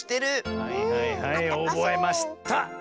はいはいはいおぼえました！